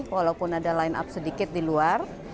walaupun ada line up sedikit di luar